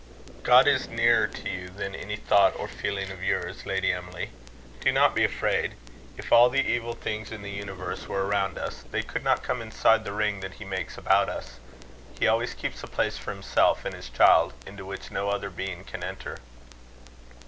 "God is nearer to you than any thought or feeling of yours, Lady Emily. Do not be afraid. If all the evil things in the universe were around us, they could not come inside the ring that he makes about us. He always keeps a place for himself and his child, into which no other being can enter."